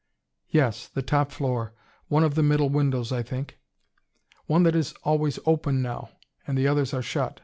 "Yes, the top floor one of the middle windows, I think." "One that is always open now and the others are shut.